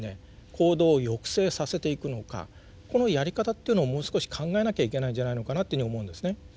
行動を抑制させていくのかこのやり方っていうのをもう少し考えなきゃいけないんじゃないのかなというふうに思うんですね。